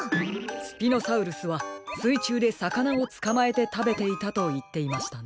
スピノサウルスはすいちゅうでさかなをつかまえてたべていたといっていましたね。